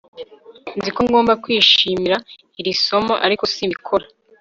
nzi ko ngomba kwishimira iri somo, ariko simbikora